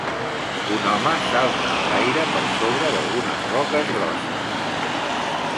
Un home salta enlaire per sobre d'algunes roques grosses.